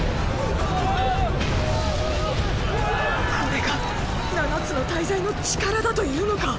これが七つの大罪の力だというのか。